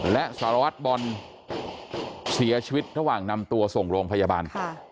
และสารวัตรบอลเสียชีวิตระหว่างนำตัวส่งโรงพยาบาล